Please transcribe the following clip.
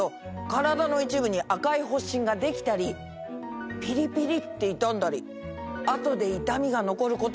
カラダの一部に赤い発疹ができたりピリピリって痛んだり後で痛みが残ることもあるんだって。